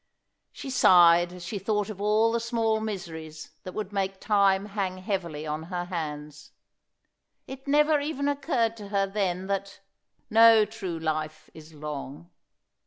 She sighed as she thought of all the small miseries that would make time hang heavily on her hands. It never even occurred to her then that "No true life is long."